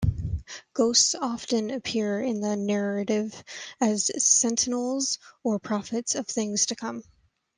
Ghosts often appear in the narrative as sentinels or prophets of things to come.